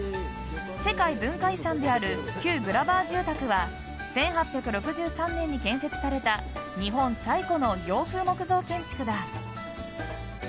世界文化遺産である旧グラバー住宅は１８６３年に建設された日本最古の洋風木造建築だ。